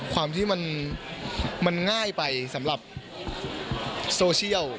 ความที่มันง่ายไปสำหรับโซเชียล